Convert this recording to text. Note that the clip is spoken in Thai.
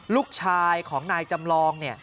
ลูกชายของนายจำลอง